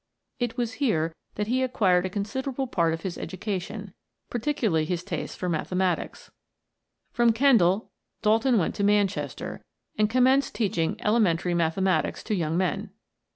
It was here that he acquired a con siderable part of his education, particularly his taste for mathematics. From Kendal, Dalton went to Manchester, and commenced teaching elementary mathematics to young men.